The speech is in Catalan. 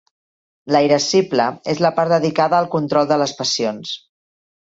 La irascible és la part dedicada al control de les passions.